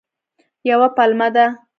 یوه پلمه ده.